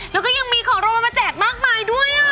แล้วก็ยังมีของโรนมาแจกมากมายด้วย